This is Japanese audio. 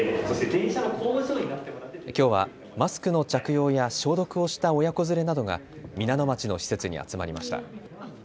きょうはマスクの着用や消毒をした親子連れなどが皆野町の施設に集まりました。